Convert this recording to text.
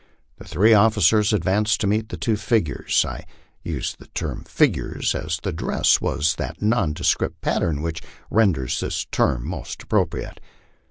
The three officers advanced to meet the two figures (I use the term figures, as the dress was of that nondescript pattern which renders this term most appropriate).